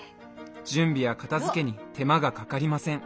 準備や片づけに手間がかかりません。